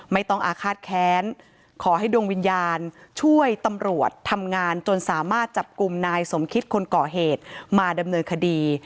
ไม่ต้องอาฆาตแค้นขอให้ดวงวิญญาณช่วยตำรวจทำงานจนสามารถจับกลุ่มนายสมคิดคนก่อเหตุมาดำเนินคดี